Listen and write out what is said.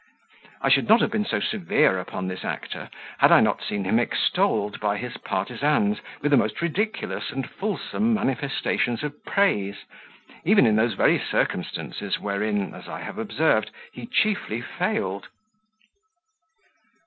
I should not have been so severe upon this actor, had I not seen him extolled by his partisans with the most ridiculous and fulsome manifestations of praise, even in those very circumstances wherein (as I have observed) he chiefly failed."